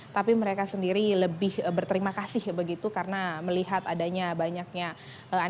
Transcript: tapi mereka sendiri lebih berterima kasih begitu karena melihat adanya banyaknya orang yang berpengalaman